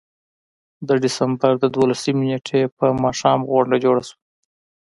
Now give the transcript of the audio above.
د ډسمبر د دولسمې نېټې پر ماښام غونډه جوړه شوه.